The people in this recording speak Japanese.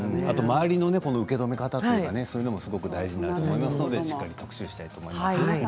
周りの受け止め方というのも大事になると思いますのでしっかり特集したいと思います。